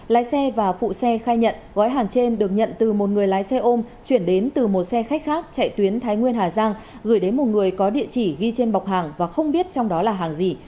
lái xe và phụ xe khai nhận gói hàng trên được nhận từ một người lái xe ôm chuyển đến từ một xe khách khác chạy tuyến thái nguyên hà giang gửi đến một người có địa chỉ ghi trên bọc hàng và không biết trong đó là hàng gì